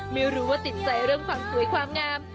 ไม่รู้ว่าติดใจเรื่องความสวยความงาม